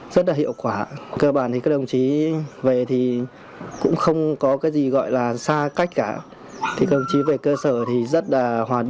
g charge luyện và những khả năng đặt comer consultant